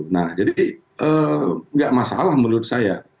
nah jadi nggak masalah menurut saya